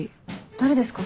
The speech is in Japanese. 誰ですか？